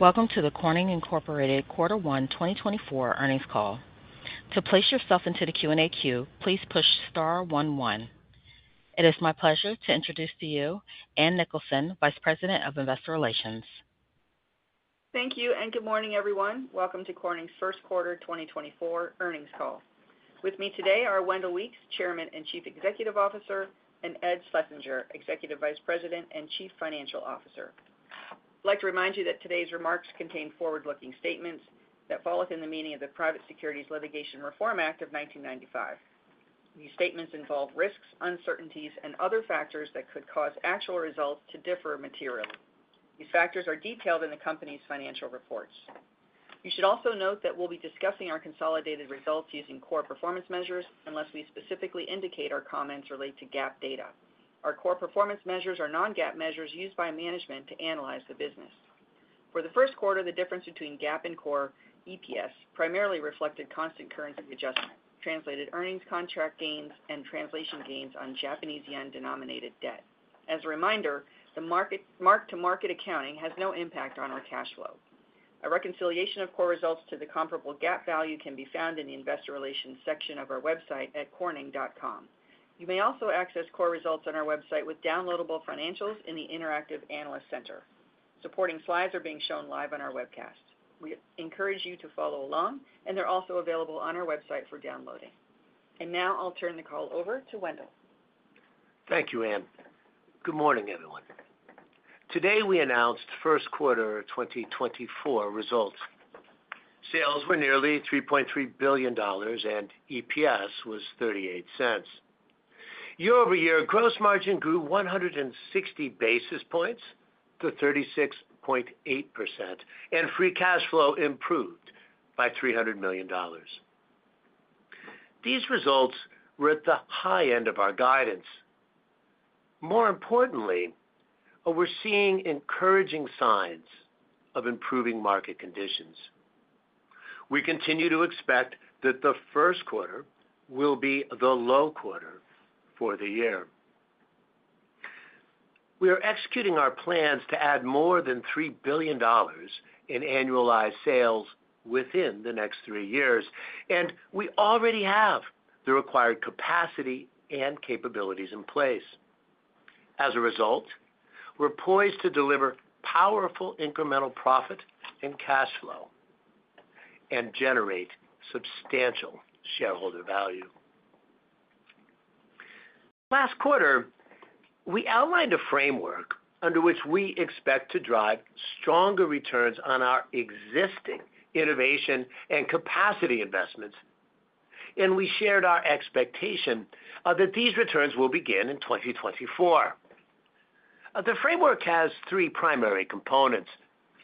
Welcome to the Corning Incorporated Quarter One 2024 earnings call. To place yourself into the Q&A queue, please push star one, one. It is my pleasure to introduce to you Ann Nicholson, Vice President of Investor Relations. Thank you, and good morning, everyone. Welcome to Corning's first quarter 2024 earnings call. With me today are Wendell Weeks, Chairman and Chief Executive Officer, and Ed Schlesinger, Executive Vice President and Chief Financial Officer. I'd like to remind you that today's remarks contain forward-looking statements that fall within the meaning of the Private Securities Litigation Reform Act of 1995. These statements involve risks, uncertainties, and other factors that could cause actual results to differ materially. These factors are detailed in the company's financial reports. You should also note that we'll be discussing our consolidated results using core performance measures, unless we specifically indicate our comments relate to GAAP data. Our core performance measures are non-GAAP measures used by management to analyze the business. For the first quarter, the difference between GAAP and core EPS primarily reflected constant currency adjustment, translated earnings contract gains, and translation gains on Japanese yen-denominated debt. As a reminder, the mark-to-market accounting has no impact on our cash flow. A reconciliation of core results to the comparable GAAP value can be found in the investor relations section of our website at corning.com. You may also access core results on our website with downloadable financials in the Interactive Analyst Center. Supporting slides are being shown live on our webcast. We encourage you to follow along, and they're also available on our website for downloading. Now I'll turn the call over to Wendell. Thank you, Ann. Good morning, everyone. Today, we announced first quarter 2024 results. Sales were nearly $3.3 billion, and EPS was $0.38. Year-over-year gross margin grew 160 basis points to 36.8%, and free cash flow improved by $300 million. These results were at the high end of our guidance. More importantly, we're seeing encouraging signs of improving market conditions. We continue to expect that the first quarter will be the low quarter for the year. We are executing our plans to add more than $3 billion in annualized sales within the next three years, and we already have the required capacity and capabilities in place. As a result, we're poised to deliver powerful incremental profit and cash flow and generate substantial shareholder value. Last quarter, we outlined a framework under which we expect to drive stronger returns on our existing innovation and capacity investments, and we shared our expectation that these returns will begin in 2024. The framework has three primary components.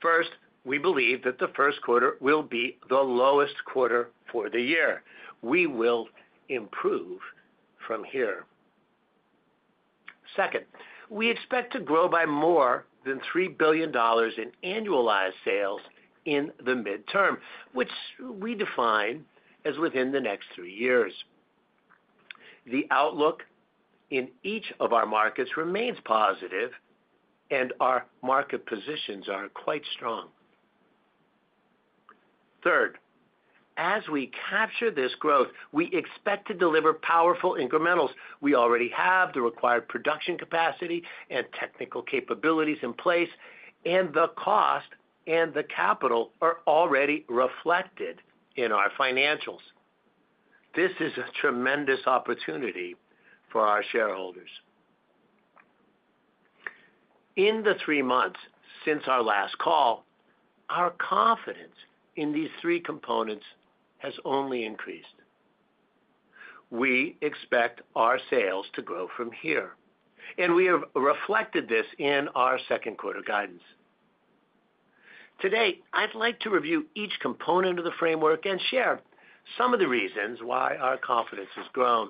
First, we believe that the first quarter will be the lowest quarter for the year. We will improve from here. Second, we expect to grow by more than $3 billion in annualized sales in the mid-term, which we define as within the next three years. The outlook in each of our markets remains positive, and our market positions are quite strong. Third, as we capture this growth, we expect to deliver powerful incrementals. We already have the required production capacity and technical capabilities in place, and the cost and the capital are already reflected in our financials. This is a tremendous opportunity for our shareholders. In the three months since our last call, our confidence in these three components has only increased. We expect our sales to grow from here, and we have reflected this in our second quarter guidance. Today, I'd like to review each component of the framework and share some of the reasons why our confidence has grown.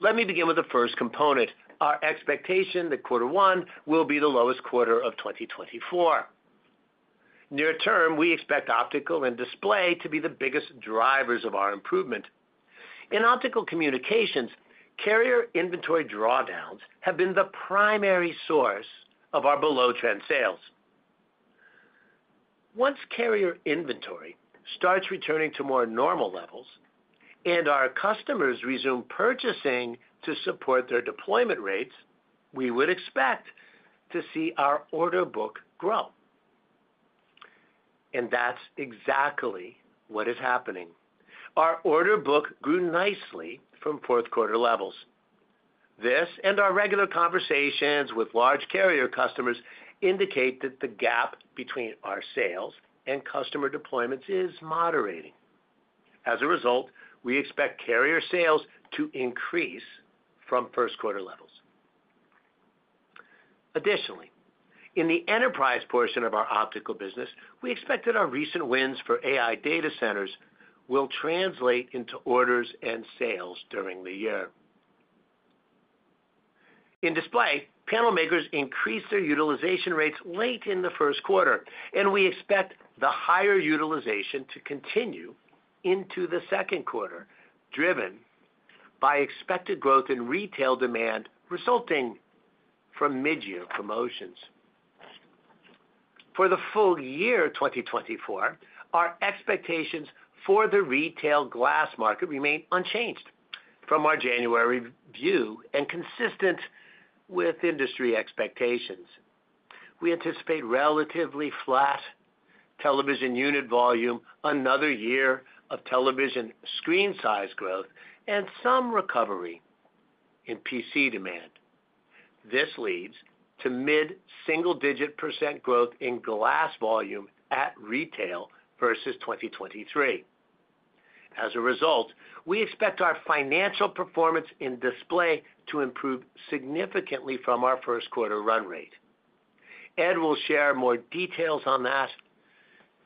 Let me begin with the first component, our expectation that quarter one will be the lowest quarter of 2024. Near term, we expect Optical and Display to be the biggest drivers of our improvement. In Optical Communications, carrier inventory drawdowns have been the primary source of our below-trend sales. Once carrier inventory starts returning to more normal levels and our customers resume purchasing to support their deployment rates, we would expect to see our order book grow. That's exactly what is happening. Our order book grew nicely from fourth quarter levels. This, and our regular conversations with large carrier customers, indicate that the gap between our sales and customer deployments is moderating. As a result, we expect carrier sales to increase from first quarter levels. Additionally, in the enterprise portion of our Optical business, we expect that our recent wins for AI data centers will translate into orders and sales during the year. In Display, panel makers increased their utilization rates late in the first quarter, and we expect the higher utilization to continue into the second quarter, driven by expected growth in retail demand resulting from mid-year promotions. For the full year 2024, our expectations for the retail glass market remain unchanged from our January view, and consistent with industry expectations. We anticipate relatively flat television unit volume, another year of television screen size growth, and some recovery in PC demand. This leads to mid-single digit percentage growth in glass volume at retail versus 2023. As a result, we expect our financial performance in Display to improve significantly from our first quarter run rate. Ed will share more details on that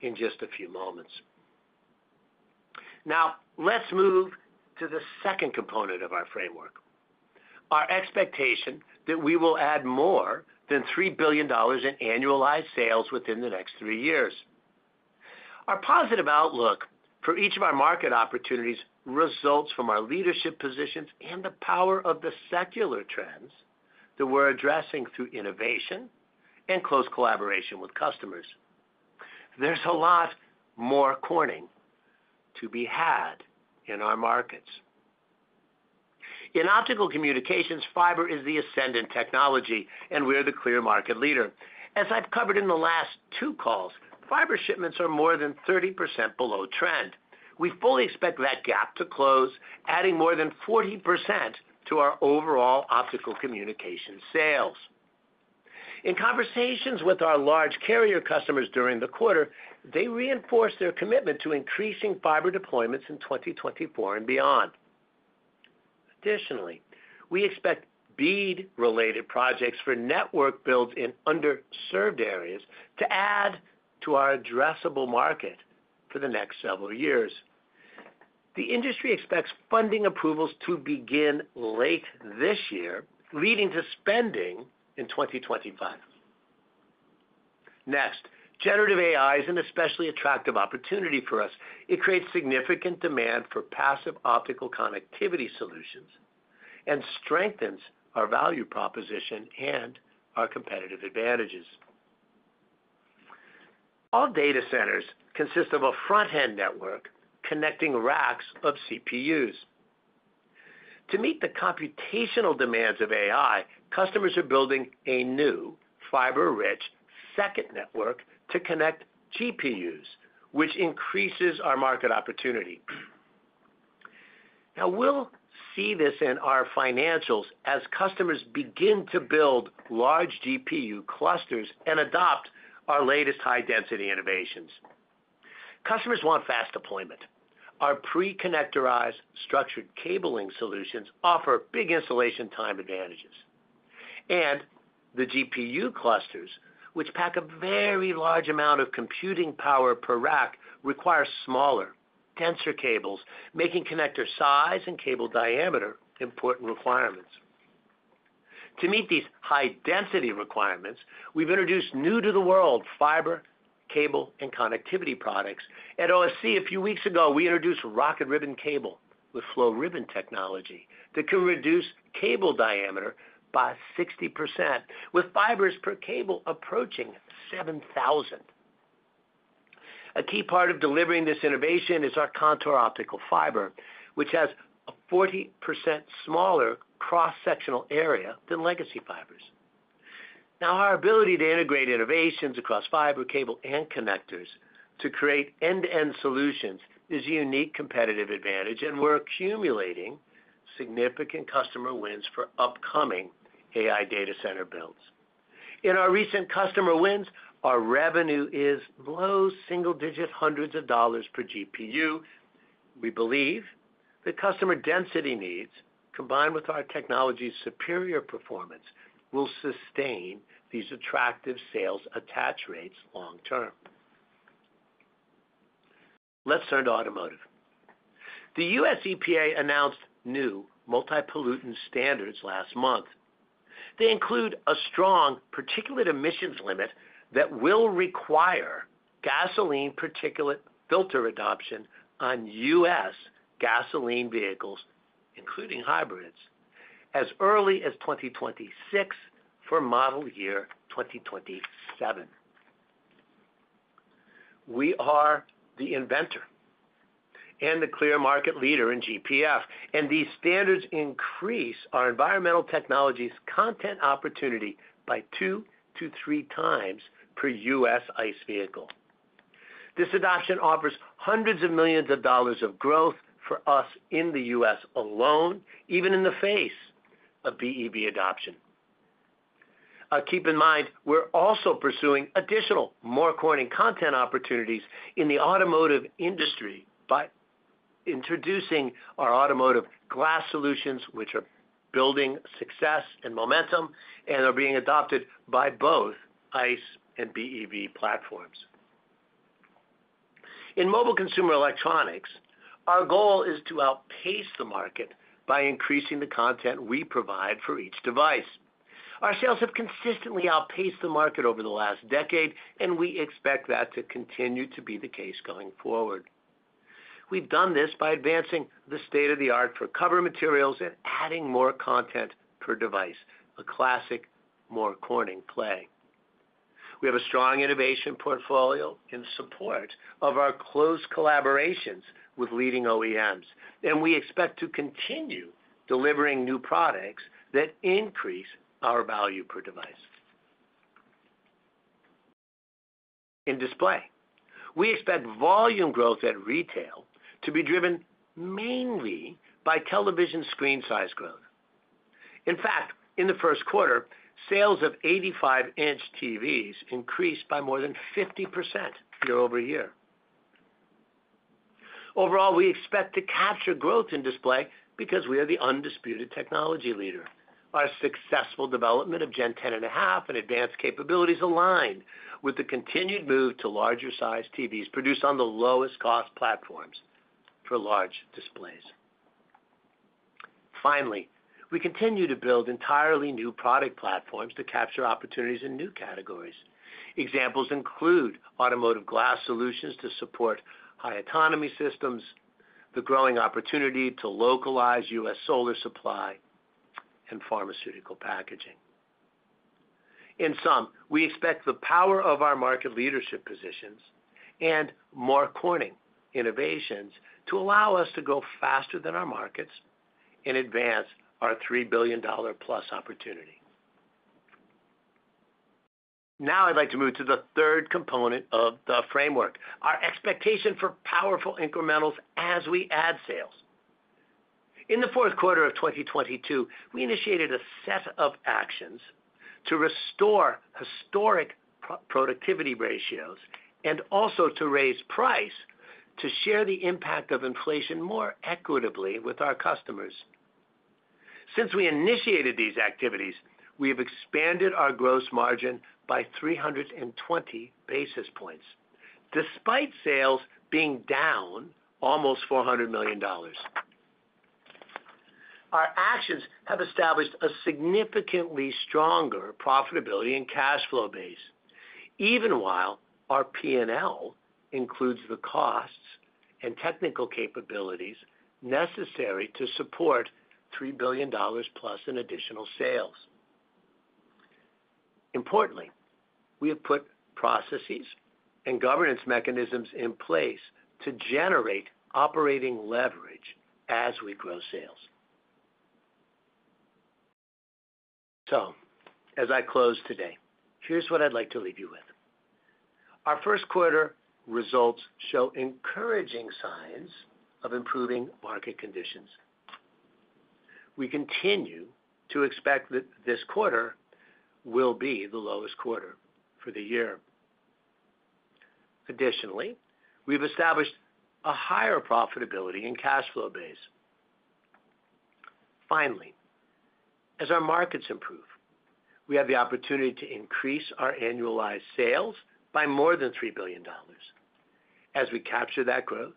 in just a few moments. Now, let's move to the second component of our framework, our expectation that we will add more than $3 billion in annualized sales within the next three years. Our positive outlook for each of our market opportunities results from our leadership positions and the power of the secular trends that we're addressing through innovation and close collaboration with customers. There's a lot More Corning to be had in our markets. In Optical Communications, fiber is the ascendant technology, and we are the clear market leader. As I've covered in the last two calls, fiber shipments are more than 30% below trend. We fully expect that gap to close, adding more than 40% to our overall Optical Communication sales. In conversations with our large carrier customers during the quarter, they reinforced their commitment to increasing fiber deployments in 2024 and beyond. Additionally, we expect BEAD-related projects for network builds in underserved areas to add to our addressable market for the next several years. The industry expects funding approvals to begin late this year, leading to spending in 2025. Next, generative AI is an especially attractive opportunity for us. It creates significant demand for passive optical connectivity solutions and strengthens our value proposition and our competitive advantages. All data centers consist of a front-end network connecting racks of CPUs. To meet the computational demands of AI, customers are building a new fiber-rich second network to connect GPUs, which increases our market opportunity. Now, we'll see this in our financials as customers begin to build large GPU clusters and adopt our latest high-density innovations. Customers want fast deployment. Our pre-connectorized structured cabling solutions offer big installation time advantages, and the GPU clusters, which pack a very large amount of computing power per rack, require smaller tensor cables, making connector size and cable diameter important requirements. To meet these high-density requirements, we've introduced new-to-the-world fiber, cable, and connectivity products. At OFC, a few weeks ago, we introduced RocketRibbon cable with Flow Ribbon Technology that can reduce cable diameter by 60%, with fibers per cable approaching 7,000. A key part of delivering this innovation is our Contour optical fiber, which has a 40% smaller cross-sectional area than legacy fibers. Now, our ability to integrate innovations across fiber, cable, and connectors to create end-to-end solutions is a unique competitive advantage, and we're accumulating significant customer wins for upcoming AI data center builds. In our recent customer wins, our revenue is low single-digit hundreds of dollars per GPU. We believe the customer density needs, combined with our technology's superior performance, will sustain these attractive sales attach rates long term. Let's turn to automotive. The U.S. EPA announced new multi-pollutant standards last month. They include a strong particulate emissions limit that will require gasoline particulate filter adoption on U.S. gasoline vehicles, including hybrids, as early as 2026, for model year 2027. We are the inventor and the clear market leader in GPF, and these standards increase our environmental technologies content opportunity by two-three times per U.S. ICE vehicle. This adoption offers hundreds of millions of dollars of growth for us in the U.S. alone, even in the face of BEV adoption. Keep in mind, we're also pursuing additional More Corning content opportunities in the automotive industry by introducing our Automotive Glass Solutions, which are building success and momentum and are being adopted by both ICE and BEV platforms. In mobile consumer electronics, our goal is to outpace the market by increasing the content we provide for each device. Our sales have consistently outpaced the market over the last decade, and we expect that to continue to be the case going forward. We've done this by advancing the state-of-the-art for cover materials and adding more content per device, a classic More Corning play. We have a strong innovation portfolio in support of our close collaborations with leading OEMs, and we expect to continue delivering new products that increase our value per device. In Display, we expect volume growth at retail to be driven mainly by television screen size growth. In fact, in the first quarter, sales of 85-inch TVs increased by more than 50% year-over-year. Overall, we expect to capture growth in Display because we are the undisputed technology leader. Our successful development of Gen 10.5 and advanced capabilities align with the continued move to larger-sized TVs produced on the lowest-cost platforms for large displays. Finally, we continue to build entirely new product platforms to capture opportunities in new categories. Examples include Automotive Glass Solutions to support high autonomy systems, the growing opportunity to localize U.S. solar supply, and pharmaceutical packaging. In sum, we expect the power of our market leadership positions and More Corning innovations to allow us to grow faster than our markets and advance our $3 billion+ opportunity. Now I'd like to move to the third component of the framework, our expectation for powerful incrementals as we add sales. In the fourth quarter of 2022, we initiated a set of actions to restore historic pro-productivity ratios and also to raise price to share the impact of inflation more equitably with our customers. Since we initiated these activities, we have expanded our gross margin by 320 basis points, despite sales being down almost $400 million. Our actions have established a significantly stronger profitability and cash flow base, even while our P&L includes the costs and technical capabilities necessary to support $3 billion+ in additional sales. Importantly, we have put processes and governance mechanisms in place to generate operating leverage as we grow sales. So, as I close today, here's what I'd like to leave you with. Our first quarter results show encouraging signs of improving market conditions. We continue to expect that this quarter will be the lowest quarter for the year. Additionally, we've established a higher profitability and cash flow base. Finally, as our markets improve, we have the opportunity to increase our annualized sales by more than $3 billion. As we capture that growth,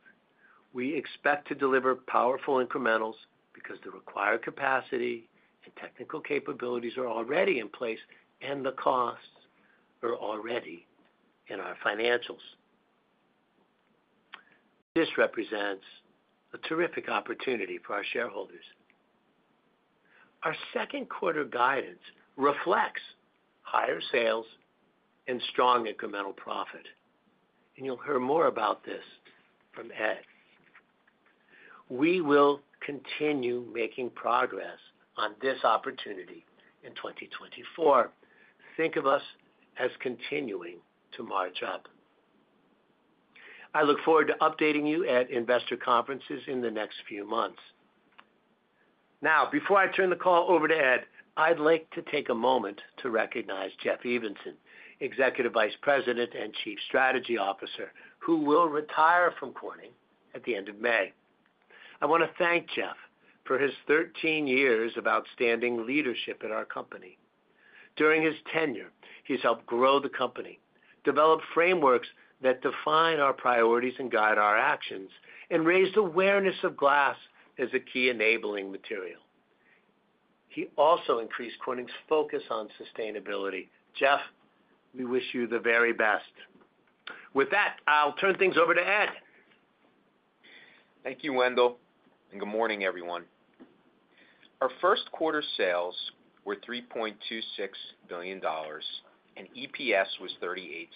we expect to deliver powerful incrementals because the required capacity and technical capabilities are already in place and the costs are already in our financials. This represents a terrific opportunity for our shareholders. Our second quarter guidance reflects higher sales and strong incremental profit, and you'll hear more about this from Ed. We will continue making progress on this opportunity in 2024. Think of us as continuing to march up. I look forward to updating you at investor conferences in the next few months. Now, before I turn the call over to Ed, I'd like to take a moment to recognize Jeff Evenson, Executive Vice President and Chief Strategy Officer, who will retire from Corning at the end of May. I want to thank Jeff for his 13 years of outstanding leadership at our company. During his tenure, he's helped grow the company, develop frameworks that define our priorities and guide our actions, and raised awareness of glass as a key enabling material. He also increased Corning's focus on sustainability. Jeff, we wish you the very best. With that, I'll turn things over to Ed. Thank you, Wendell, and good morning, everyone. Our first quarter sales were $3.26 billion, and EPS was $0.38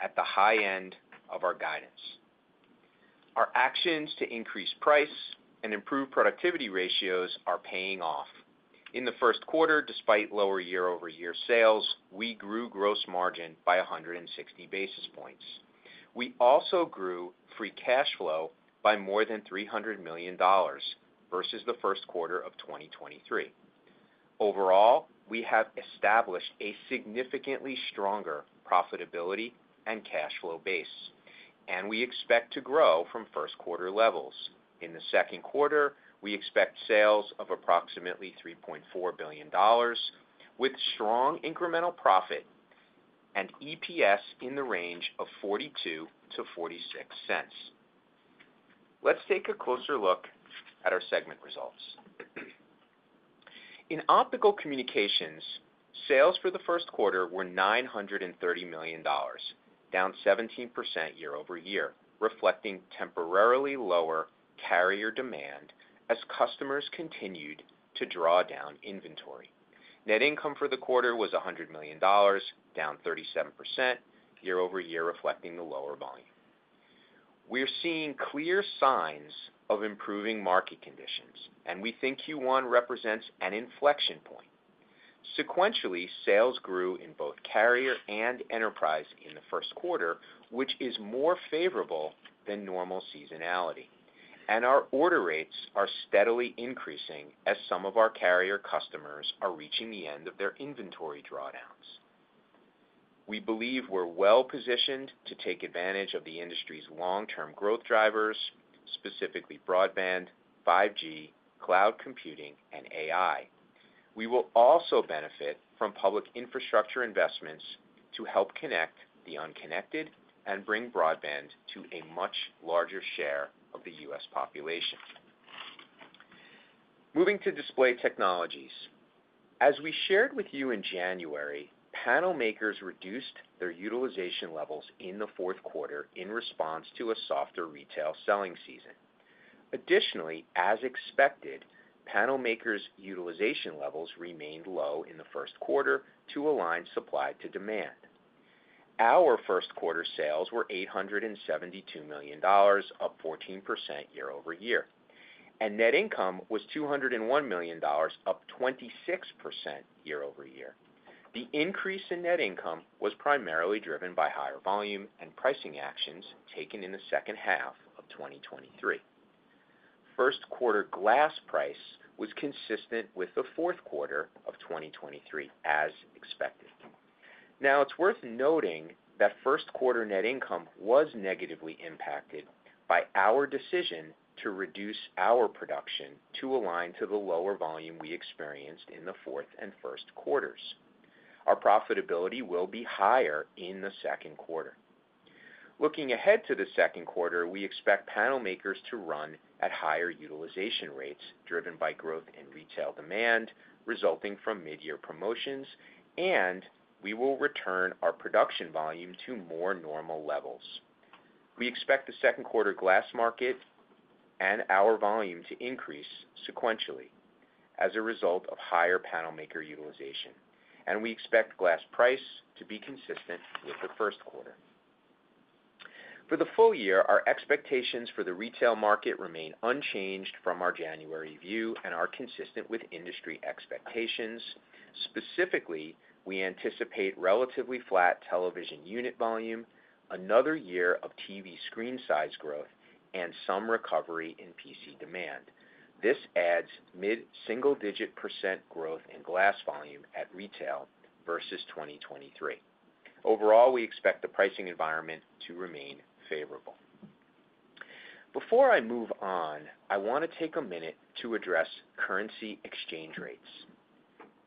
at the high end of our guidance. Our actions to increase price and improve productivity ratios are paying off. In the first quarter, despite lower year-over-year sales, we grew gross margin by 160 basis points. We also grew free cash flow by more than $300 million versus the first quarter of 2023. Overall, we have established a significantly stronger profitability and cash flow base, and we expect to grow from first quarter levels. In the second quarter, we expect sales of approximately $3.4 billion, with strong incremental profit and EPS in the range of $0.42-$0.46. Let's take a closer look at our segment results. In Optical Communications, sales for the first quarter were $930 million, down 17% year over year, reflecting temporarily lower carrier demand as customers continued to draw down inventory. Net income for the quarter was $100 million, down 37% year-over-year, reflecting the lower volume. We're seeing clear signs of improving market conditions, and we think Q1 represents an inflection point. Sequentially, sales grew in both carrier and enterprise in the first quarter, which is more favorable than normal seasonality, and our order rates are steadily increasing as some of our carrier customers are reaching the end of their inventory drawdowns. We believe we're well-positioned to take advantage of the industry's long-term growth drivers, specifically broadband, 5G, cloud computing, and AI. We will also benefit from public infrastructure investments to help connect the unconnected and bring broadband to a much larger share of the U.S. population. Moving to Display Technologies. As we shared with you in January, panel makers reduced their utilization levels in the fourth quarter in response to a softer retail selling season. Additionally, as expected, panel makers' utilization levels remained low in the first quarter to align supply to demand. Our first quarter sales were $872 million, up 14% year-over-year, and net income was $201 million, up 26% year-over-year. The increase in net income was primarily driven by higher volume and pricing actions taken in the second half of 2023. First quarter glass price was consistent with the fourth quarter of 2023, as expected. Now, it's worth noting that first quarter net income was negatively impacted by our decision to reduce our production to align to the lower volume we experienced in the fourth and first quarters. Our profitability will be higher in the second quarter. Looking ahead to the second quarter, we expect panel makers to run at higher utilization rates, driven by growth in retail demand resulting from mid-year promotions, and we will return our production volume to more normal levels. We expect the second quarter glass market and our volume to increase sequentially as a result of higher panel maker utilization, and we expect glass price to be consistent with the first quarter. For the full year, our expectations for the retail market remain unchanged from our January view and are consistent with industry expectations. Specifically, we anticipate relatively flat television unit volume, another year of TV screen size growth, and some recovery in PC demand. This adds mid-single-digit percentage growth in glass volume at retail versus 2023. Overall, we expect the pricing environment to remain favorable. Before I move on, I want to take a minute to address currency exchange rates.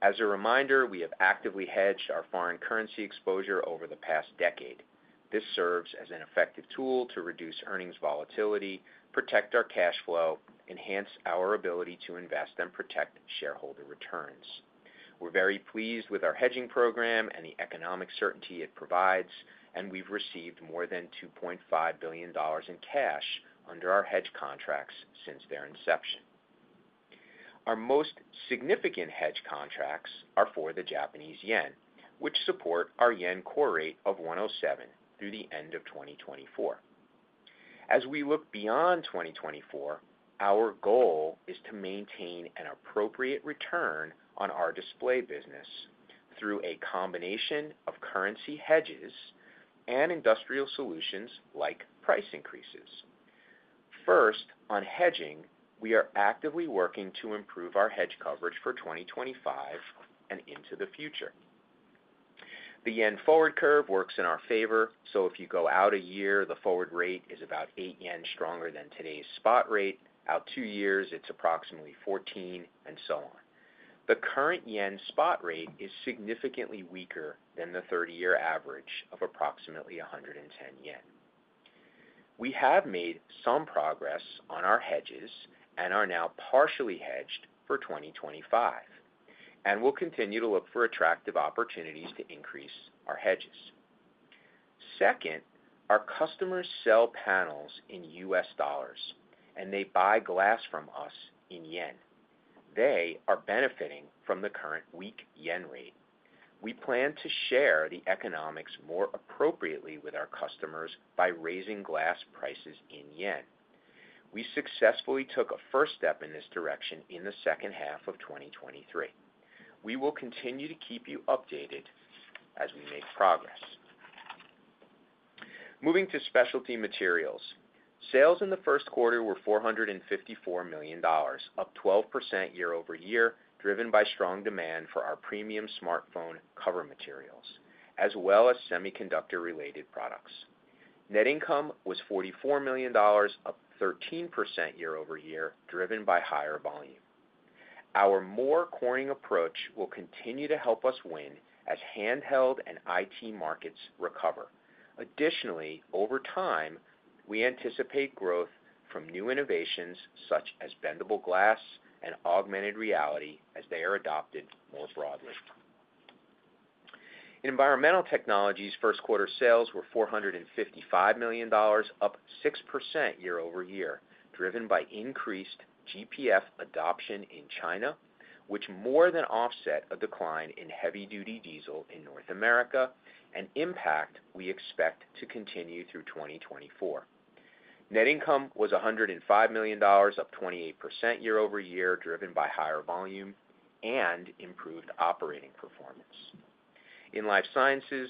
As a reminder, we have actively hedged our foreign currency exposure over the past decade. This serves as an effective tool to reduce earnings volatility, protect our cash flow, enhance our ability to invest and protect shareholder returns. We're very pleased with our hedging program and the economic certainty it provides, and we've received more than $2.5 billion in cash under our hedge contracts since their inception. Our most significant hedge contracts are for the Japanese yen, which support our Yen Core Rate of 107 through the end of 2024. As we look beyond 2024, our goal is to maintain an appropriate return on our Display business through a combination of currency hedges and industrial solutions like price increases. First, on hedging, we are actively working to improve our hedge coverage for 2025 and into the future. The yen forward curve works in our favor, so if you go out a year, the forward rate is about 8 yen stronger than today's spot rate. Out two years, it's approximately 14, and so on. The current yen spot rate is significantly weaker than the 30-year average of approximately 110 yen. We have made some progress on our hedges and are now partially hedged for 2025, and we'll continue to look for attractive opportunities to increase our hedges. Second, our customers sell panels in US dollars, and they buy glass from us in yen. They are benefiting from the current weak yen rate. We plan to share the economics more appropriately with our customers by raising glass prices in yen. We successfully took a first step in this direction in the second half of 2023. We will continue to keep you updated as we make progress. Moving to Specialty Materials, sales in the first quarter were $454 million, up 12% year-over-year, driven by strong demand for our premium smartphone cover materials, as well as semiconductor-related products. Net income was $44 million, up 13% year-over-year, driven by higher volume. Our More Corning approach will continue to help us win as handheld and IT markets recover. Additionally, over time, we anticipate growth from new innovations such as bendable glass and augmented reality as they are adopted more broadly. Environmental Technologies first quarter sales were $455 million, up 6% year-over-year, driven by increased GPF adoption in China, which more than offset a decline in heavy duty diesel in North America, an impact we expect to continue through 2024. Net income was $105 million, up 28% year-over-year, driven by higher volume and improved operating performance. In Life Sciences,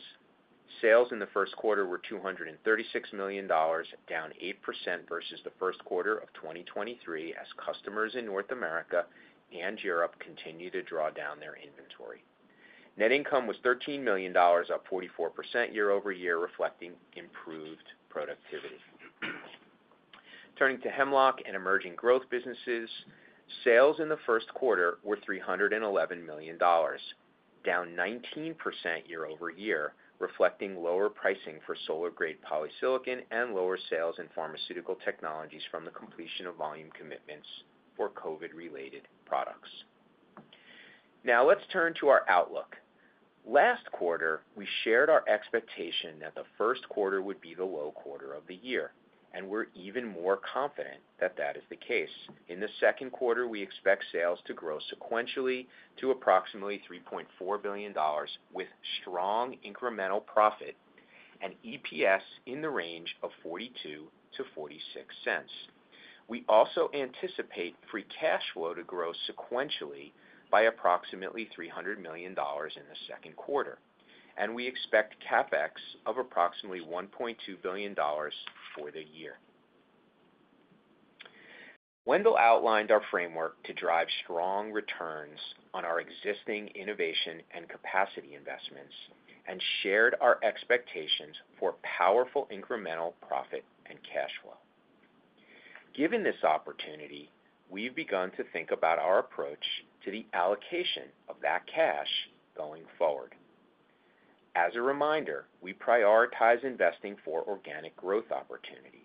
sales in the first quarter were $236 million, down 8% versus the first quarter of 2023, as customers in North America and Europe continue to draw down their inventory. Net income was $13 million, up 44% year-over-year, reflecting improved productivity. Turning to Hemlock and Emerging Growth Businesses, sales in the first quarter were $311 million, down 19% year-over-year, reflecting lower pricing for solar-grade polysilicon and lower sales in Pharmaceutical Technologies from the completion of volume commitments for COVID-related products. Now, let's turn to our outlook. Last quarter, we shared our expectation that the first quarter would be the low quarter of the year, and we're even more confident that that is the case. In the second quarter, we expect sales to grow sequentially to approximately $3.4 billion, with strong incremental profit and EPS in the range of $0.42-$0.46. We also anticipate free cash flow to grow sequentially by approximately $300 million in the second quarter, and we expect CapEx of approximately $1.2 billion for the year. Wendell outlined our framework to drive strong returns on our existing innovation and capacity investments and shared our expectations for powerful incremental profit and cash flow. Given this opportunity, we've begun to think about our approach to the allocation of that cash going forward. As a reminder, we prioritize investing for organic growth opportunities.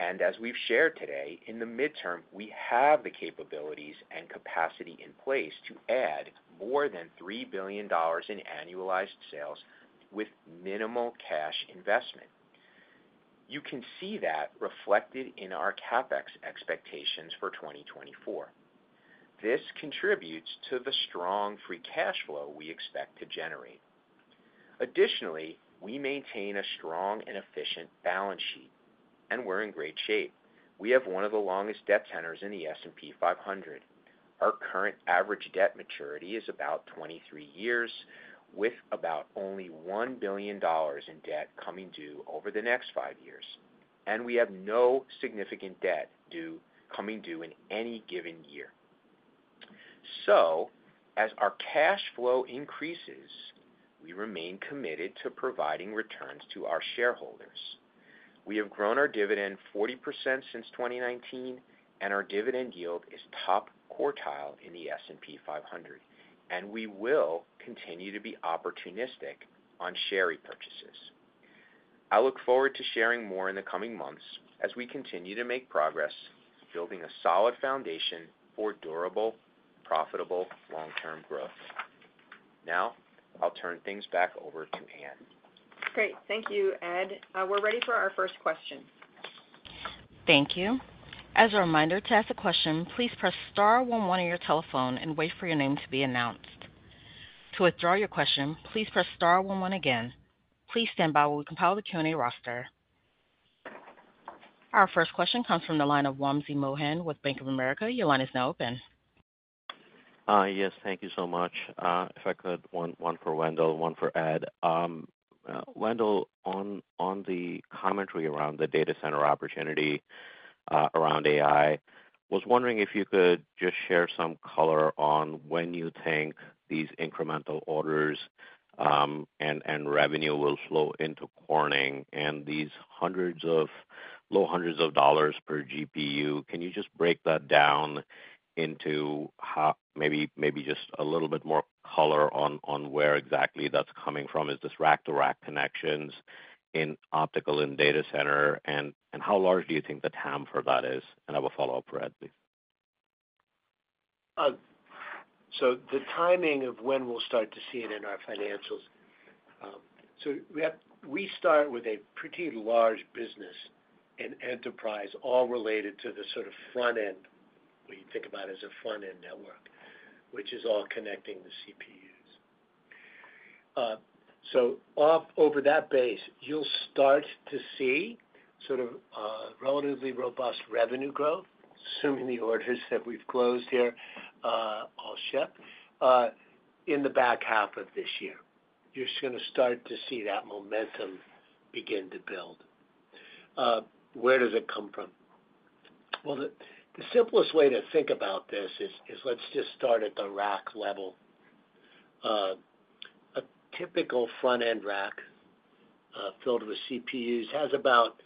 And as we've shared today, in the midterm, we have the capabilities and capacity in place to add more than $3 billion in annualized sales with minimal cash investment. You can see that reflected in our CapEx expectations for 2024. This contributes to the strong free cash flow we expect to generate. Additionally, we maintain a strong and efficient balance sheet, and we're in great shape. We have one of the longest debt tenors in the S&P 500. Our current average debt maturity is about 23 years, with about only $1 billion in debt coming due over the next 5 years, and we have no significant debt due coming due in any given year. So as our cash flow increases, we remain committed to providing returns to our shareholders. We have grown our dividend 40% since 2019, and our dividend yield is top quartile in the S&P 500, and we will continue to be opportunistic on share repurchases. I look forward to sharing more in the coming months as we continue to make progress building a solid foundation for durable, profitable, long-term growth. Now, I'll turn things back over to Ann. Great. Thank you, Ed. We're ready for our first question. Thank you. As a reminder, to ask a question, please press star one one on your telephone and wait for your name to be announced. To withdraw your question, please press star one one again. Please stand by while we compile the Q&A roster. Our first question comes from the line of Wamsi Mohan with Bank of America. Your line is now open. Yes, thank you so much. If I could, one for Wendell, one for Ed. Wendell, on the commentary around the data center opportunity, around AI, was wondering if you could just share some color on when you think these incremental orders and revenue will flow into Corning and these low hundreds of dollars per GPU. Can you just break that down into how, maybe just a little bit more color on where exactly that's coming from? Is this rack-to-rack connections in optical and data center? And how large do you think the TAM for that is? And I have a follow-up for Ed, please. So the timing of when we'll start to see it in our financials. So we start with a pretty large business and enterprise, all related to the sort of front end, what you think about as a front-end network, which is all connecting the CPUs. So on top of that base, you'll start to see sort of relatively robust revenue growth, assuming the orders that we've closed here all ship in the back half of this year. You're just gonna start to see that momentum begin to build. Where does it come from? Well, the simplest way to think about this is let's just start at the rack level. Typical front-end rack filled with CPUs has about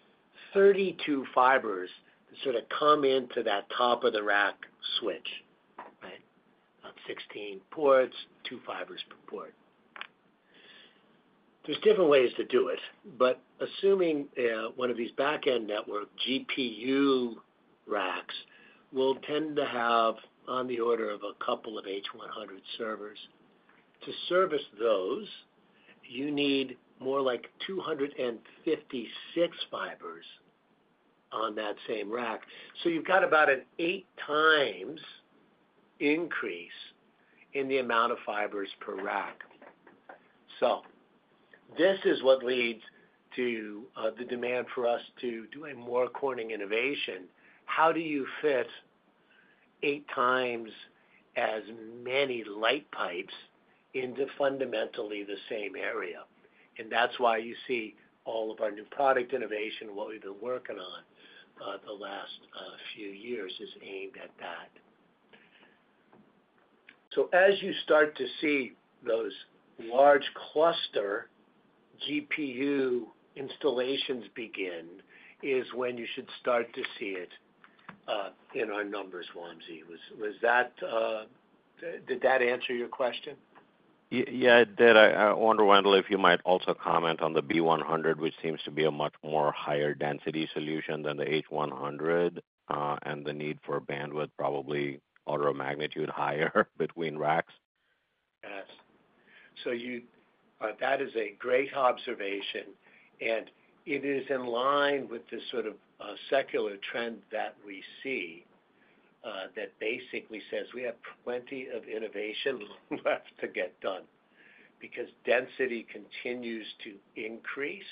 32 fibers that sort of come into that top of the rack switch, right? About 16 ports, two fibers per port. There's different ways to do it, but assuming one of these back-end network GPU racks will tend to have on the order of a couple of H100 servers. To service those, you need more like 256 fibers on that same rack. So you've got about an eight times increase in the amount of fibers per rack. So this is what leads to the demand for us to do a More Corning innovation. How do you fit eight times as many light pipes into fundamentally the same area? And that's why you see all of our new product innovation, what we've been working on the last few years, is aimed at that. So as you start to see those large cluster GPU installations begin, is when you should start to see it in our numbers, Wamsi. Was that, did that answer your question? Yeah, it did. I, I wonder, Wendell, if you might also comment on the B100, which seems to be a much more higher density solution than the H100, and the need for bandwidth, probably order of magnitude higher between racks. Yes. So you, that is a great observation, and it is in line with the sort of, secular trend that we see, that basically says we have plenty of innovation left to get done because density continues to increase,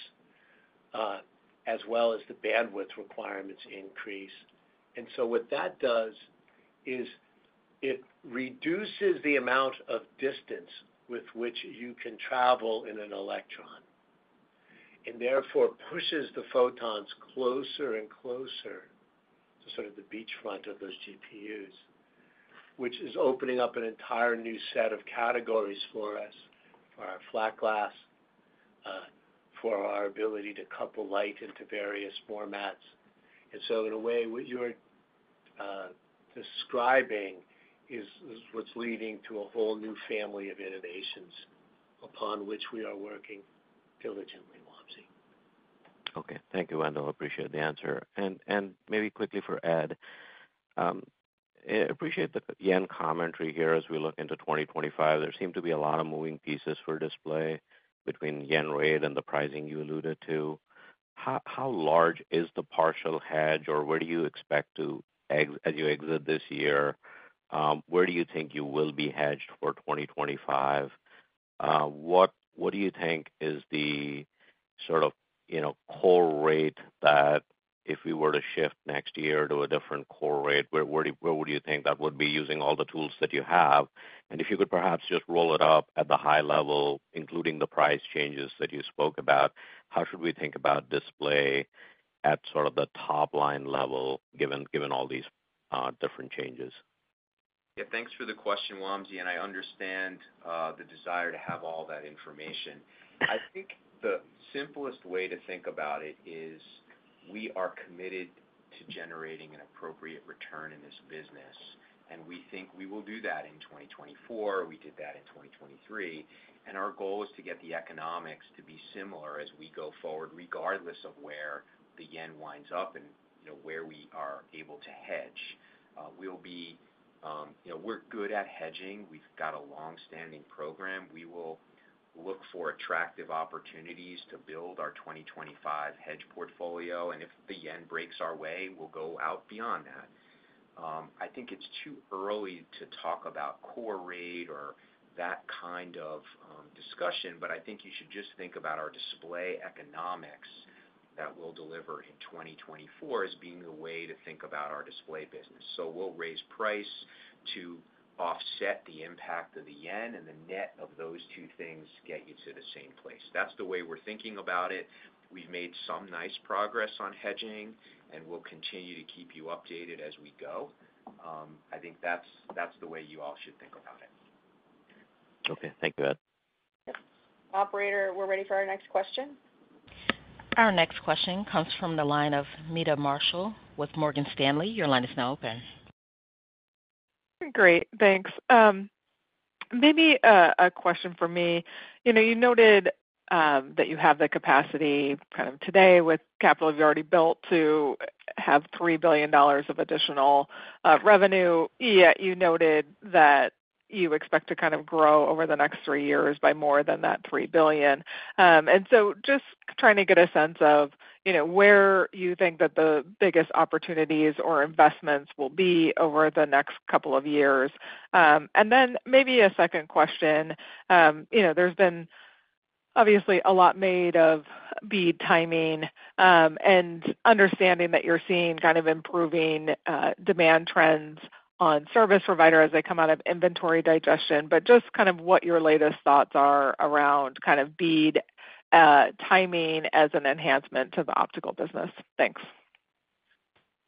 as well as the bandwidth requirements increase. And so what that does is it reduces the amount of distance with which you can travel in an electron, and therefore pushes the photons closer and closer to sort of the beachfront of those GPUs, which is opening up an entire new set of categories for us, for our flat glass, for our ability to cut the light into various formats. And so in a way, what you're describing is what's leading to a whole new family of innovations upon which we are working diligently, Wamsi. Okay. Thank you, Wendell. Appreciate the answer. And maybe quickly for Ed. Appreciate the yen commentary here as we look into 2025. There seem to be a lot of moving pieces for Display between the yen rate and the pricing you alluded to. How large is the partial hedge, or where do you expect to exit this year, where do you think you will be hedged for 2025? What do you think is the sort of, you know, core rate that if we were to shift next year to a different core rate, where would you think that would be using all the tools that you have? If you could perhaps just roll it up at the high level, including the price changes that you spoke about, how should we think about Display at sort of the top line level, given all these different changes? Yeah, thanks for the question, Wamsi, and I understand the desire to have all that information. I think the simplest way to think about it is we are committed to generating an appropriate return in this business, and we think we will do that in 2024. We did that in 2023, and our goal is to get the economics to be similar as we go forward, regardless of where the yen winds up and, you know, where we are able to hedge. You know, we're good at hedging. We've got a long-standing program. We will look for attractive opportunities to build our 2025 hedge portfolio, and if the yen breaks our way, we'll go out beyond that. I think it's too early to talk about core rate or that kind of, discussion, but I think you should just think about our Display economics that we'll deliver in 2024 as being the way to think about our Display business. So we'll raise price to offset the impact of the yen, and the net of those two things get you to the same place. That's the way we're thinking about it. We've made some nice progress on hedging, and we'll continue to keep you updated as we go. I think that's, that's the way you all should think about it. Okay. Thank you, Ed. Yep. Operator, we're ready for our next question. Our next question comes from the line of Meta Marshall with Morgan Stanley. Your line is now open. Great, thanks. Maybe a question from me. You know, you noted that you have the capacity kind of today with capital you've already built to have $3 billion of additional revenue, yet you noted that you expect to kind of grow over the next three years by more than that $3 billion. And so just trying to get a sense of, you know, where you think that the biggest opportunities or investments will be over the next couple of years. And then maybe a second question. You know, there's been obviously a lot made of the timing, and understanding that you're seeing kind of improving demand trends on service provider as they come out of inventory digestion, but just kind of what your latest thoughts are around kind of BEAD timing as an enhancement to the Optical business. Thanks.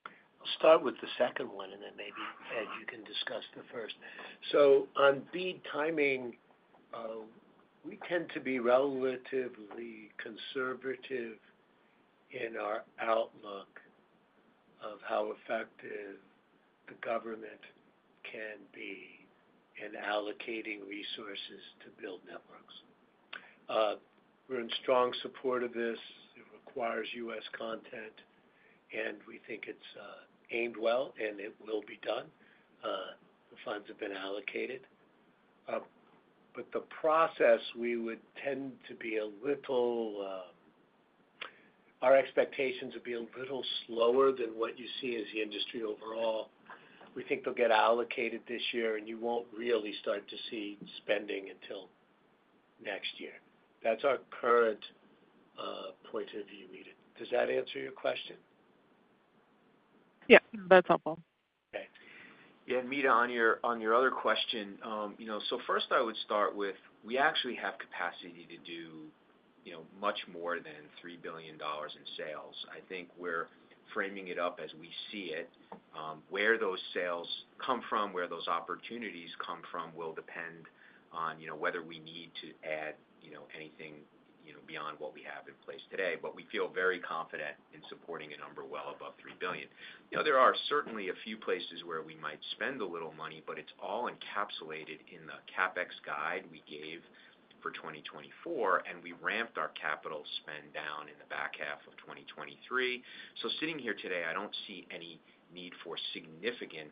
I'll start with the second one, and then maybe, Ed, you can discuss the first. So on BEAD timing, we tend to be relatively conservative in our outlook of how effective the government can be in allocating resources to build networks. We're in strong support of this. It requires U.S. content, and we think it's aimed well, and it will be done. The funds have been allocated. But the process, we would tend to be a little, our expectations would be a little slower than what you see as the industry overall. We think they'll get allocated this year, and you won't really start to see spending until next year. That's our current point of view, Meta. Does that answer your question? Yeah, that's helpful. Okay. Yeah, Meta, on your other question, you know, so first I would start with, we actually have capacity to do, you know, much more than $3 billion in sales. I think we're framing it up as we see it. Where those sales come from, where those opportunities come from, will depend on, you know, whether we need to add, you know, anything, you know, beyond what we have in place today. But we feel very confident in supporting a number well above $3 billion. You know, there are certainly a few places where we might spend a little money, but it's all encapsulated in the CapEx guide we gave for 2024, and we ramped our capital spend down in the back half of 2023. So sitting here today, I don't see any need for significant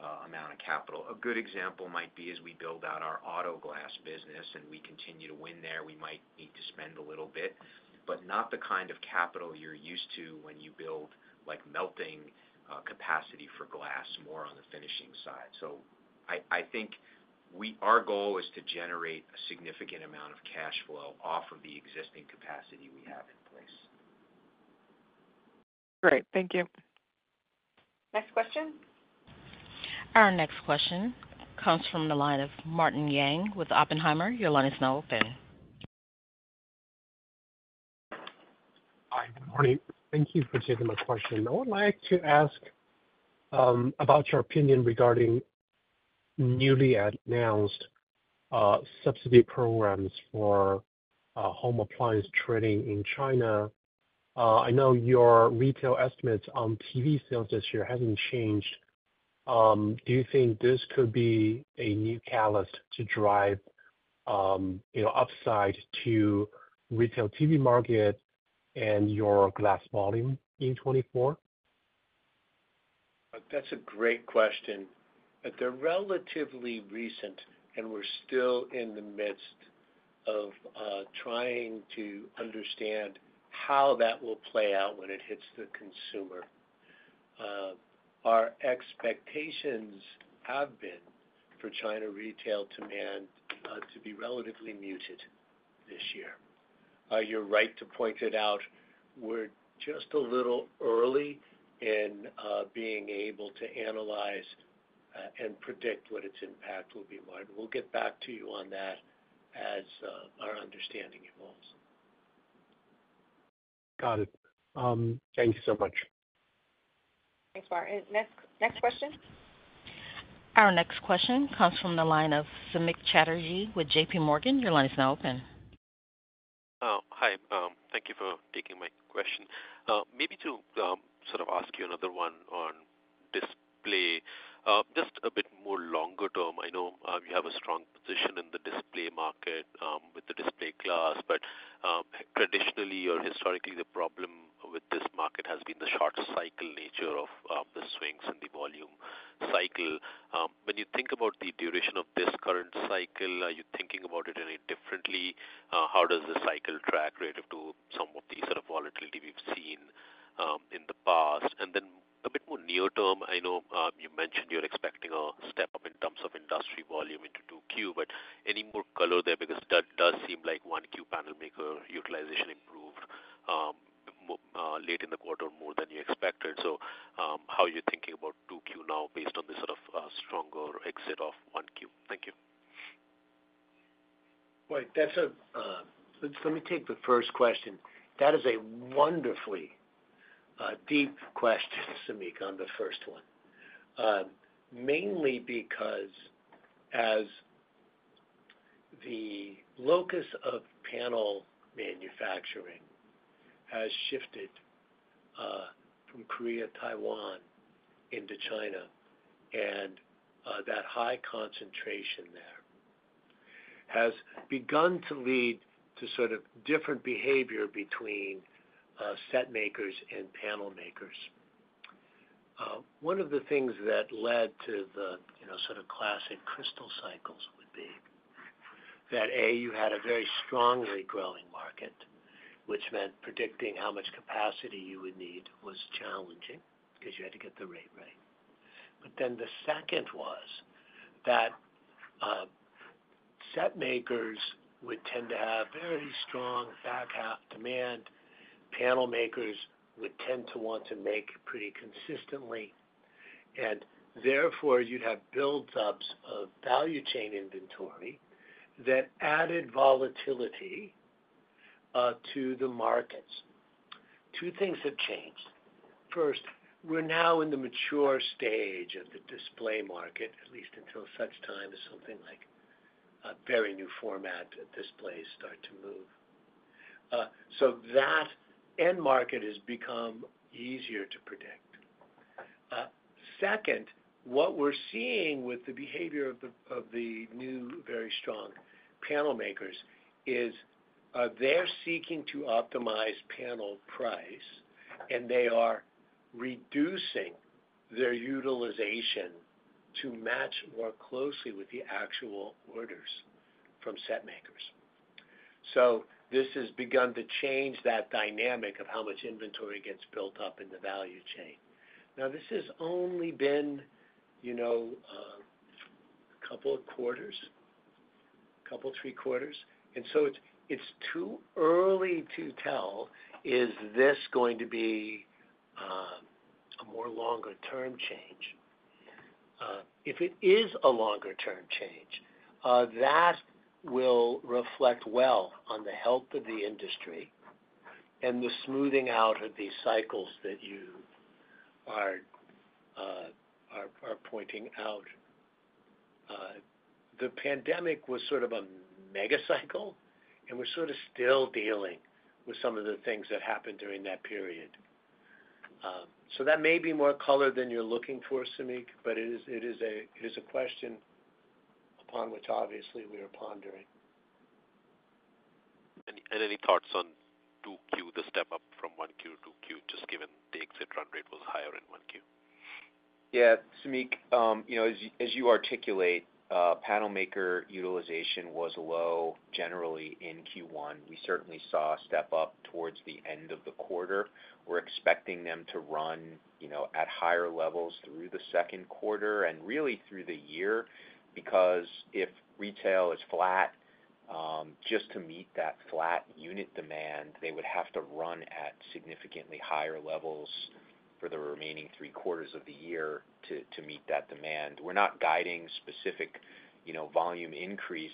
amount of capital. A good example might be as we build out our Auto Glass business and we continue to win there, we might need to spend a little bit, but not the kind of capital you're used to when you build, like, melting capacity for glass, more on the finishing side. So I think our goal is to generate a significant amount of cash flow off of the existing capacity we have in place. Great. Thank you. Next question. Our next question comes from the line of Martin Yang with Oppenheimer. Your line is now open. Hi, good morning. Thank you for taking my question. I would like to ask about your opinion regarding newly announced subsidy programs for home appliance trading in China. I know your retail estimates on TV sales this year hasn't changed. Do you think this could be a new catalyst to drive, you know, upside to retail TV market and your glass volume in 2024? That's a great question. But they're relatively recent, and we're still in the midst of trying to understand how that will play out when it hits the consumer. Our expectations have been for China retail demand to be relatively muted this year. You're right to point it out. We're just a little early in being able to analyze and predict what its impact will be, Martin. We'll get back to you on that as our understanding evolves. Got it. Thank you so much. Thanks, Martin. Next, next question? Our next question comes from the line of Samik Chatterjee with JP Morgan. Your line is now open. Hi. Thank you for taking my question. Maybe to sort of ask you another one on Display. Just a bit more longer term, I know you have a strong position in the Display market with the display glass, but traditionally or historically, the problem with this market has been the short cycle nature of the swings and the volume cycle. When you think about the duration of this current cycle, are you thinking about it any differently? How does the cycle track relative to some of the sort of volatility we've seen in the past? And then a bit more near term, I know you mentioned you're expecting a step-up in terms of industry volume into 2Q, but any more color there? Because that does seem like 1Q panel maker utilization improved more late in the quarter than you expected. So, how are you thinking about 2Q now based on the sort of stronger exit of 1Q? Thank you. Right. That's a, let me take the first question. That is a wonderfully, deep question, Samik, on the first one. Mainly because as the locus of panel manufacturing has shifted, from Korea, Taiwan into China, and, that high concentration there has begun to lead to sort of different behavior between, set makers and panel makers. One of the things that led to the, you know, sort of classic crystal cycles would be that, A, you had a very strongly growing market, which meant predicting how much capacity you would need was challenging because you had to get the rate right. But then the second was that, set makers would tend to have very strong back half demand. Panel makers would tend to want to make pretty consistently, and therefore you'd have buildups of value chain inventory that added volatility. To the markets. Two things have changed. First, we're now in the mature stage of the Display market, at least until such time as something like a very new format Display starts to move. So that end market has become easier to predict. Second, what we're seeing with the behavior of the, of the new, very strong panel makers is, they're seeking to optimize panel price, and they are reducing their utilization to match more closely with the actual orders from set makers. So this has begun to change that dynamic of how much inventory gets built up in the value chain. Now, this has only been, you know, a couple of quarters, couple, three quarters, and so it's, it's too early to tell, is this going to be, a more longer-term change? If it is a longer-term change, that will reflect well on the health of the industry and the smoothing out of these cycles that you are pointing out. The pandemic was sort of a mega cycle, and we're sort of still dealing with some of the things that happened during that period. So that may be more color than you're looking for, Samik, but it is a question upon which obviously we are pondering. Any thoughts on 2Q, the step up from 1Q, 2Q, just given the exit run rate was higher in 1Q? Yeah, Samik, you know, as you, as you articulate, panel maker utilization was low generally in Q1. We certainly saw a step up towards the end of the quarter. We're expecting them to run, you know, at higher levels through the second quarter and really through the year, because if retail is flat, just to meet that flat unit demand, they would have to run at significantly higher levels for the remaining three quarters of the year to, to meet that demand. We're not guiding specific, you know, volume increase,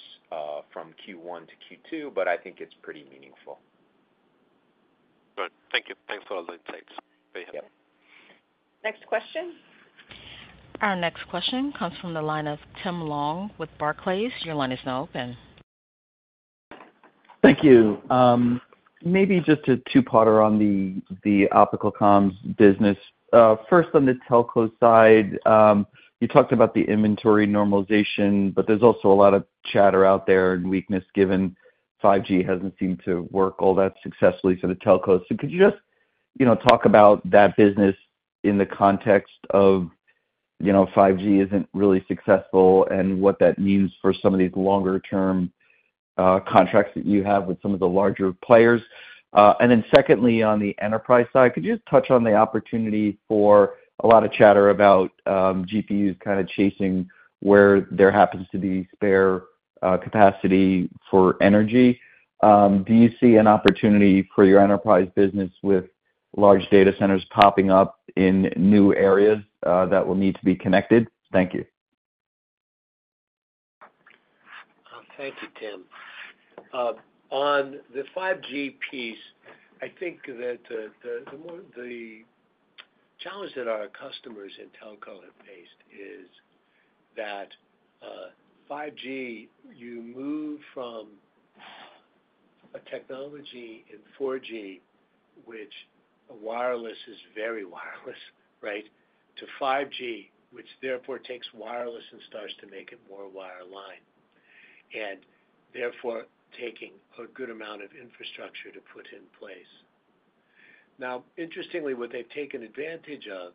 from Q1 to Q2, but I think it's pretty meaningful. Good. Thank you. Thanks for all the insights. Very helpful. Yep. Next question. Our next question comes from the line of Tim Long with Barclays. Your line is now open. Thank you. Maybe just a two-parter on the Optical Comms business. First, on the telco side, you talked about the inventory normalization, but there's also a lot of chatter out there and weakness, given 5G hasn't seemed to work all that successfully for the telcos. So could you just, you know, talk about that business in the context of, you know, 5G isn't really successful and what that means for some of these longer-term contracts that you have with some of the larger players? And then secondly, on the enterprise side, could you just touch on the opportunity for a lot of chatter about GPUs kind of chasing where there happens to be spare capacity for energy? Do you see an opportunity for your Enterprise business with large data centers popping up in new areas, that will need to be connected? Thank you. Thank you, Tim. On the 5G piece, I think that the challenge that our customers in telco have faced is that, 5G, you move from a technology in 4G, which a wireless is very wireless, right? To 5G, which therefore takes wireless and starts to make it more wireline, and therefore taking a good amount of infrastructure to put in place. Now, interestingly, what they've taken advantage of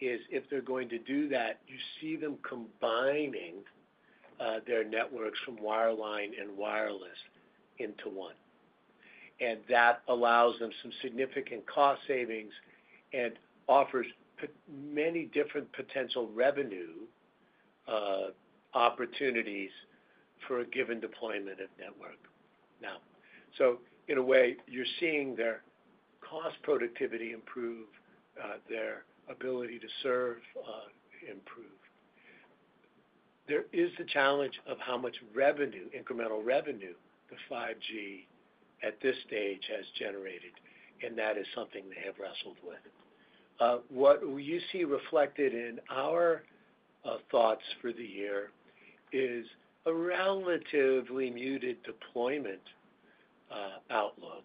is if they're going to do that, you see them combining their networks from wireline and wireless into one. And that allows them some significant cost savings and offers many different potential revenue opportunities for a given deployment of network. Now, so in a way, you're seeing their cost productivity improve, their ability to serve improved. There is the challenge of how much revenue, incremental revenue, the 5G at this stage has generated, and that is something they have wrestled with. What you see reflected in our thoughts for the year is a relatively muted deployment outlook,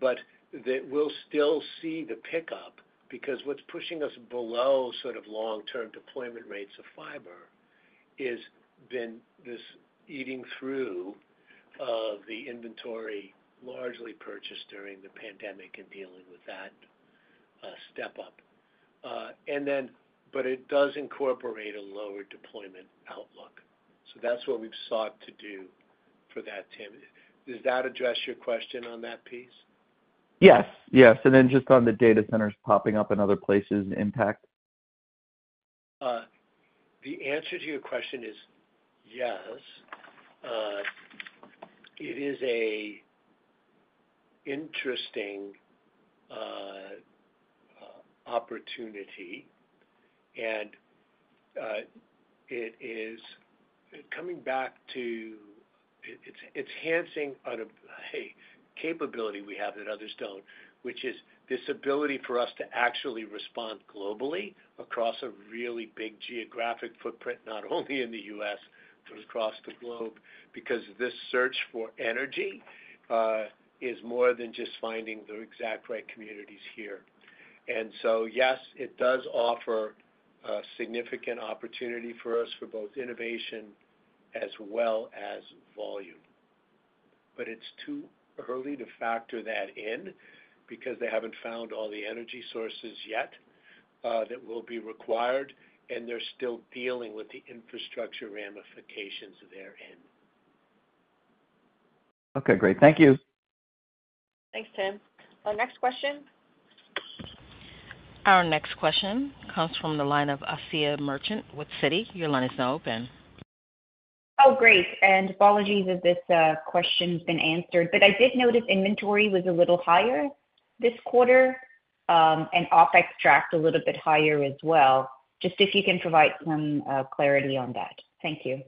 but that we'll still see the pickup, because what's pushing us below sort of long-term deployment rates of fiber is been this eating through of the inventory, largely purchased during the pandemic and dealing with that step up. But it does incorporate a lower deployment outlook. So that's what we've sought to do for that, Tim. Does that address your question on that piece? Yes, yes. And then just on the data centers popping up in other places, impact? The answer to your question is yes. It is an interesting opportunity, and it is coming back to, it's enhancing on a key capability we have that others don't, which is this ability for us to actually respond globally across a really big geographic footprint, not only in the U.S., but across the globe, because this search for energy is more than just finding the exact right communities here. And so, yes, it does offer a significant opportunity for us for both innovation as well as volume. But it's too early to factor that in because they haven't found all the energy sources yet that will be required, and they're still dealing with the infrastructure ramifications at their end. Okay, great. Thank you. Thanks, Tim. Our next question? Our next question comes from the line of Asiya Merchant with Citi. Your line is now open. Oh, great, and apologies if this question's been answered, but I did notice inventory was a little higher this quarter, and OpEx tracked a little bit higher as well. Just if you can provide some clarity on that. Thank you.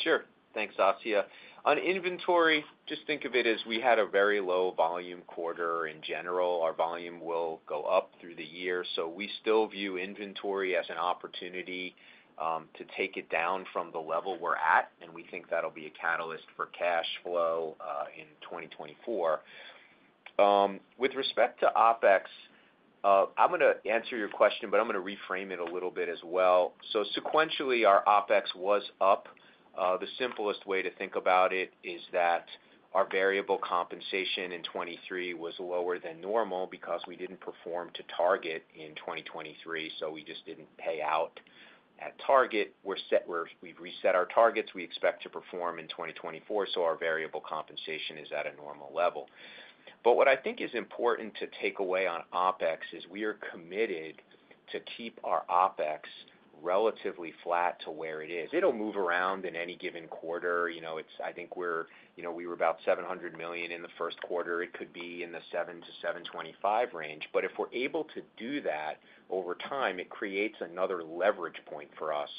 Sure. Thanks, Asiya. On inventory, just think of it as we had a very low volume quarter. In general, our volume will go up through the year, so we still view inventory as an opportunity to take it down from the level we're at, and we think that'll be a catalyst for cash flow in 2024. With respect to OpEx, I'm gonna answer your question, but I'm gonna reframe it a little bit as well. So sequentially, our OpEx was up. The simplest way to think about it is that our variable compensation in 2023 was lower than normal because we didn't perform to target in 2023, so we just didn't pay out at target. We've reset our targets. We expect to perform in 2024, so our variable compensation is at a normal level. But what I think is important to take away on OpEx is we are committed to keep our OpEx relatively flat to where it is. It'll move around in any given quarter, you know, it's. I think we're, you know, we were about $700 million in the first quarter. It could be in the $700 million-$725 million range. But if we're able to do that, over time, it creates another leverage point for us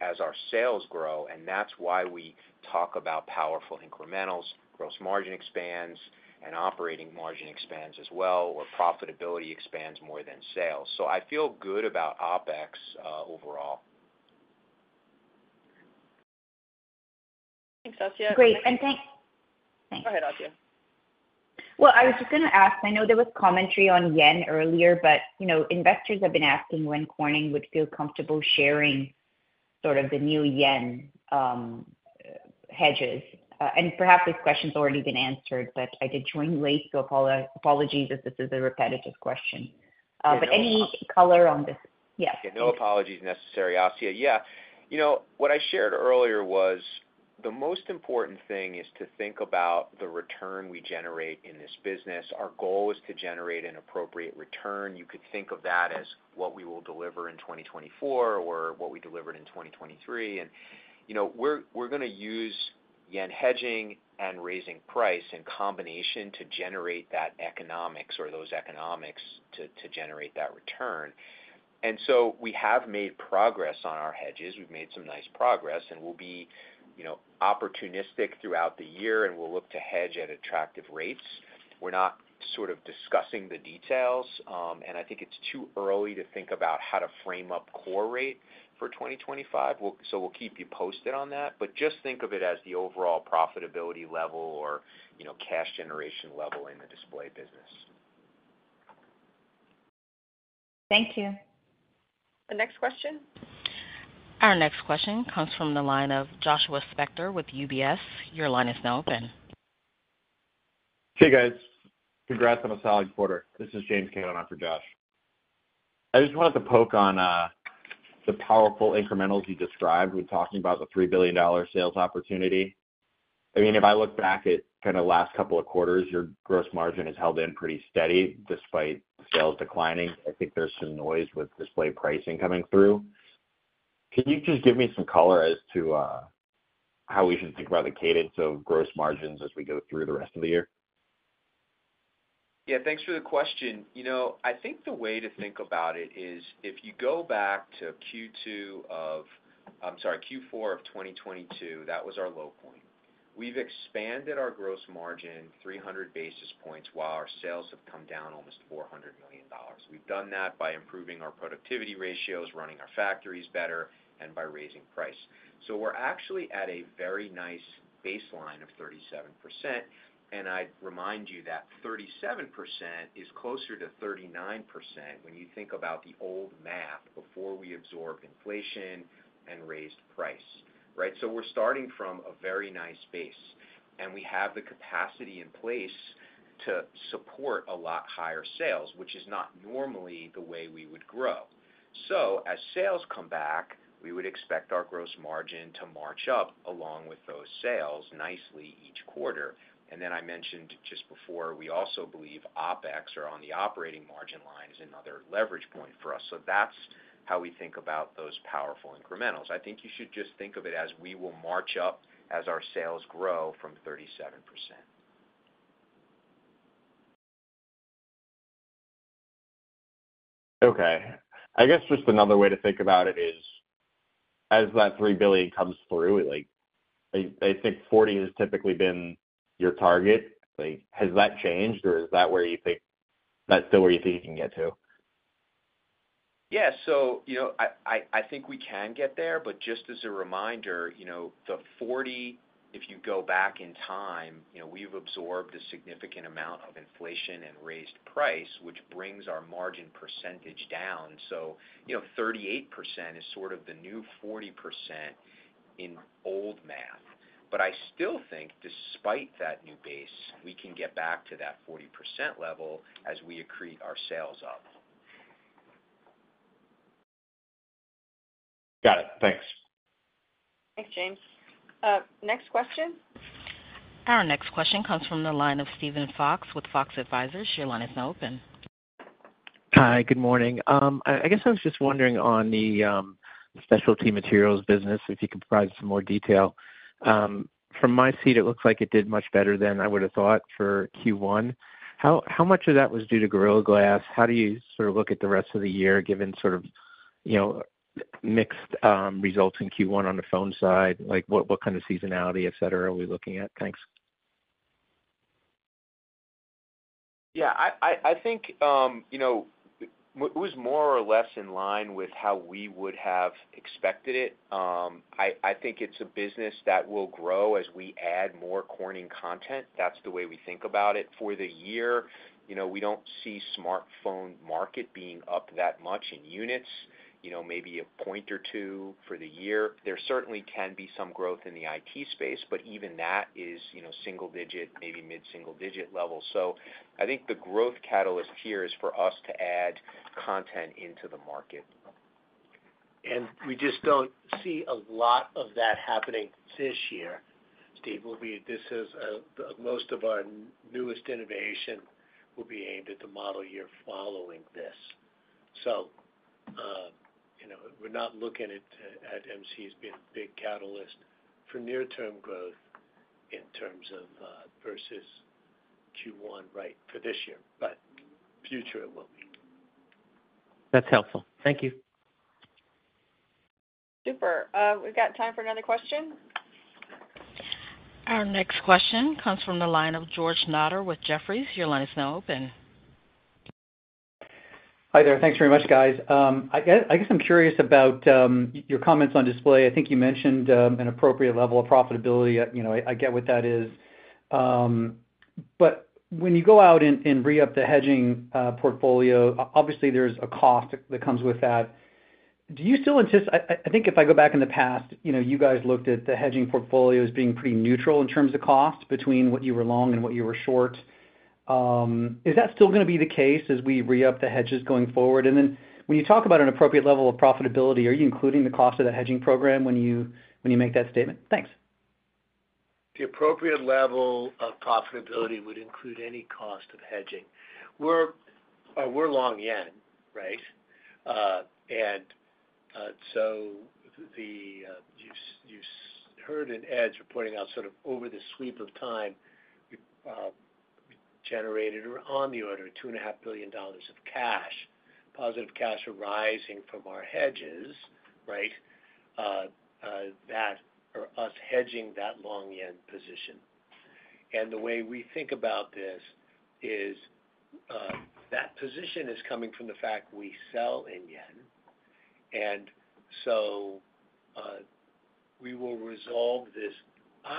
as our sales grow, and that's why we talk about powerful incrementals, gross margin expands, and operating margin expands as well, or profitability expands more than sales. So I feel good about OpEx overall. Thanks, Asiya. Great. And thanks. Thanks. Go ahead, Asiya. Well, I was just gonna ask. I know there was commentary on yen earlier, but, you know, investors have been asking when Corning would feel comfortable sharing sort of the new yen hedges. And perhaps this question's already been answered, but I did join late, so apologies if this is a repetitive question. But any color on this? Yeah. Yeah, no apologies necessary, Asiya. Yeah. You know, what I shared earlier was, the most important thing is to think about the return we generate in this business. Our goal is to generate an appropriate return. You could think of that as what we will deliver in 2024 or what we delivered in 2023. And, you know, we're, we're gonna use yen hedging and raising price in combination to generate that economics or those economics to, to generate that return. And so we have made progress on our hedges. We've made some nice progress, and we'll be, you know, opportunistic throughout the year, and we'll look to hedge at attractive rates. We're not sort of discussing the details, and I think it's too early to think about how to frame up core rate for 2025. So we'll keep you posted on that. But just think of it as the overall profitability level or, you know, cash generation level in the Display business. Thank you. The next question? Our next question comes from the line of Joshua Spector with UBS. Your line is now open. Hey, guys. Congrats on a solid quarter. This is James Cannon in for Josh. I just wanted to poke on the powerful incrementals you described when talking about the $3 billion sales opportunity. I mean, if I look back at kind of the last couple of quarters, your gross margin has held in pretty steady despite sales declining. I think there's some noise with Display pricing coming through. Can you just give me some color as to how we should think about the cadence of gross margins as we go through the rest of the year? Yeah, thanks for the question. You know, I think the way to think about it is if you go back to Q2 of, I'm sorry, Q4 of 2022, that was our low point. We've expanded our gross margin 300 basis points while our sales have come down almost $400 million. We've done that by improving our productivity ratios, running our factories better, and by raising price. So we're actually at a very nice baseline of 37%, and I'd remind you that 37% is closer to 39% when you think about the old math before we absorbed inflation and raised price, right? So we're starting from a very nice base, and we have the capacity in place to support a lot higher sales, which is not normally the way we would grow. So as sales come back, we would expect our gross margin to march up along with those sales nicely each quarter. And then I mentioned just before, we also believe OpEx or on the operating margin line is another leverage point for us. So that's how we think about those powerful incrementals. I think you should just think of it as we will march up as our sales grow from 37%. Okay. I guess just another way to think about it is, as that $3 billion comes through, like, I, I think 40% has typically been your target. Like, has that changed, or is that where you think, that's still where you think you can get to? Yeah, so, you know, I think we can get there, but just as a reminder, you know, the 40%, if you go back in time, you know, we've absorbed a significant amount of inflation and raised price, which brings our margin percentage down. So, you know, 38% is sort of the new 40% in old math. But I still think despite that new base, we can get back to that 40% level as we accrete our sales up. Got it. Thanks. Thanks, James. Next question? Our next question comes from the line of Steven Fox with Fox Advisors. Your line is now open. Hi, good morning. I guess I was just wondering on the Specialty Materials business, if you could provide some more detail. From my seat, it looks like it did much better than I would've thought for Q1. How much of that was due to Gorilla Glass? How do you sort of look at the rest of the year, given sort of, you know, mixed results in Q1 on the phone side? Like, what kind of seasonality, et cetera, are we looking at? Thanks. Yeah, I think, you know, it was more or less in line with how we would have expected it. I think it's a business that will grow as we add More Corning content. That's the way we think about it. For the year, you know, we don't see smartphone market being up that much in units, you know, maybe a point or two for the year. There certainly can be some growth in the IT space, but even that is, you know, single digit, maybe mid-single-digit level. So I think the growth catalyst here is for us to add content into the market. And we just don't see a lot of that happening this year, Steve. This is most of our newest innovation will be aimed at the model year following this. So, you know, we're not looking at MCE as being a big catalyst for near-term growth in terms of versus Q1, right, for this year, but future it will be. That's helpful. Thank you. Super. We've got time for another question. Our next question comes from the line of George Notter with Jefferies. Your line is now open. Hi there. Thanks very much, guys. I guess I'm curious about your comments on Display. I think you mentioned an appropriate level of profitability. You know, I get what that is. But when you go out and re-up the hedging portfolio, obviously, there's a cost that comes with that. Do you still insist? I think if I go back in the past, you know, you guys looked at the hedging portfolio as being pretty neutral in terms of cost between what you were long and what you were short. Is that still gonna be the case as we re-up the hedges going forward? And then when you talk about an appropriate level of profitability, are you including the cost of the hedging program when you make that statement? Thanks. The appropriate level of profitability would include any cost of hedging. We're long yen, right? And so you've heard in Ed's reporting out sort of over the sweep of time generated on the order of $2.5 billion of cash, positive cash arising from our hedges, right? That's us hedging that long yen position. And the way we think about this is that position is coming from the fact we sell in yen, and so we will resolve this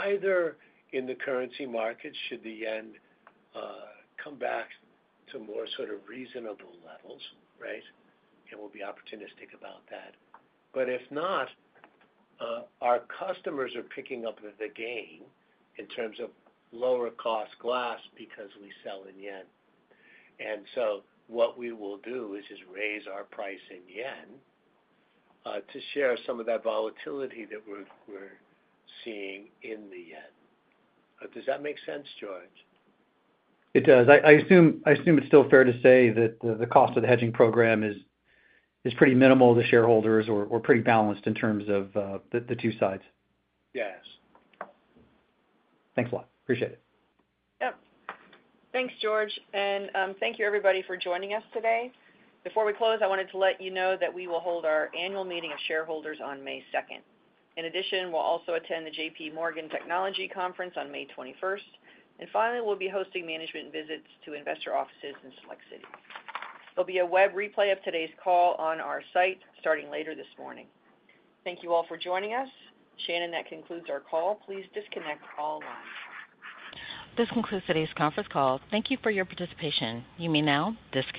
either in the currency market, should the yen come back to more sort of reasonable levels, right? And we'll be opportunistic about that. But if not, our customers are picking up the gain in terms of lower cost glass because we sell in yen. And so what we will do is just raise our price in yen to share some of that volatility that we're seeing in the yen. Does that make sense, George? It does. I assume it's still fair to say that the cost of the hedging program is pretty minimal to shareholders or pretty balanced in terms of the two sides. Yes. Thanks a lot. Appreciate it. Yep. Thanks, George, and thank you everybody for joining us today. Before we close, I wanted to let you know that we will hold our annual meeting of shareholders on May 2nd. In addition, we'll also attend the JPMorgan Technology Conference on May 21st. And finally, we'll be hosting management visits to investor offices in select cities. There'll be a web replay of today's call on our site starting later this morning. Thank you all for joining us. Shannon, that concludes our call. Please disconnect all lines. This concludes today's conference call. Thank you for your participation. You may now disconnect.